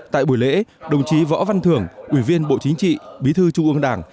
tại buổi lễ đồng chí võ văn thưởng ủy viên bộ chính trị bí thư trung ương đảng